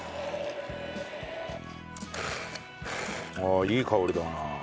ああいい香りだなあ。